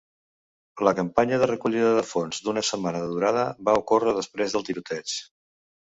La campanya de recollida de fons d'una setmana de durada va ocórrer després del tiroteig.